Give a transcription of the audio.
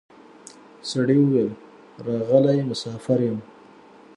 سړي وویل راغلی مسافر یم